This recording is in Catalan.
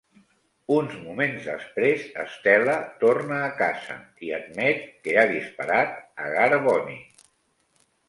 Uns moments després, Stella torna a casa i admet que ha disparat a Gar Boni.